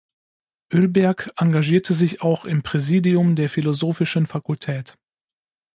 Ölberg engagierte sich auch im Präsidium der philosophischen Fakultät.